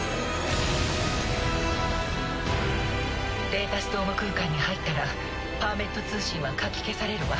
データストーム空間に入ったらパーメット通信はかき消されるわ。